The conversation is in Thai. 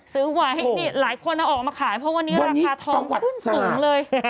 ซื้อไว้นี่หลายคนเอาออกมาขายเพราะวันนี้ราคาทองขึ้นสูงเลย